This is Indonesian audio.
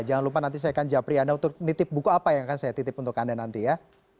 jangan lupa nanti saya akan japri anda untuk nitip buku apa yang akan saya titip untuk anda nanti ya